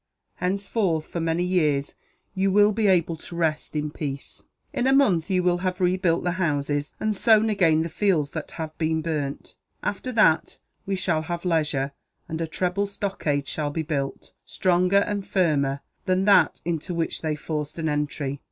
Henceforth, for many years, you will be able to rest in peace. "In a month you will have rebuilt the houses, and sown again the fields that have been burnt. After that, we shall have leisure, and a treble stockade shall be built, stronger and firmer than that into which they forced an entry.